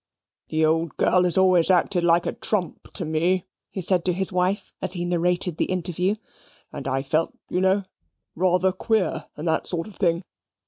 "The old girl has always acted like a trump to me," he said to his wife, as he narrated the interview, "and I felt, you know, rather queer, and that sort of thing.